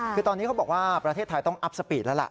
คือตอนนี้เขาบอกว่าประเทศไทยต้องอัพสปีดแล้วล่ะ